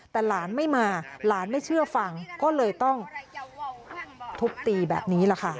แต่หลานไม่มาหลานไม่เชื่อฟังก็เลยต้องทุบตีแบบนี้แหละค่ะ